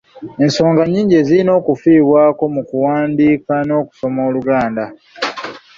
Ensonga nnyingi ezirina okufiibwako mu kuwandiika n'okusoma Oluganda.